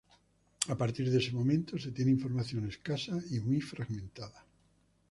A partir de este momento se tiene información escasa y muy fragmentada.